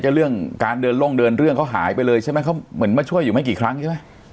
เรื่องการเดินลงเดินเรื่องเขาหายไปเลยใช่ไหมเขาเหมือนมาช่วยอยู่ไม่กี่ครั้งใช่ไหม